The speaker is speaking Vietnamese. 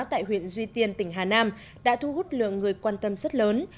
tại huyện duy tiên tỉnh hà nam đã thu hút lượng người quan tâm rất lớn